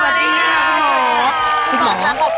ขอขอบคุณมากเลยนะคะคุณหมอค่ะ